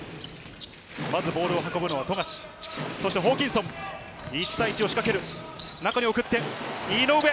ボールを運ぶのは富樫、そしてホーキンソン、１対１を仕掛ける、中に送って井上。